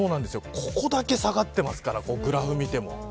ここだけ下がってますからグラフ見ても。